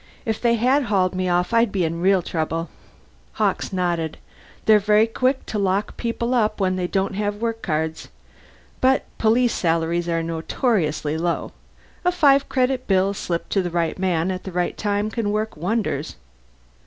"If they had hauled me off I'd be in real trouble." Hawkes nodded. "They're very quick to lock people up when they don't have work cards. But police salaries are notoriously low. A five credit bill slipped to the right man at the right time can work wonders."